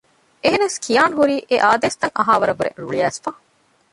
އެހެނަސް ކިޔާންހުރީ އެއާދޭސްތައް އަހާވަރަށްވުރެ ރުޅިއައިސްފަ